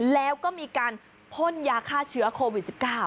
แล้วก็มีการพ่นยาฆ่าเชื้อโควิด๑๙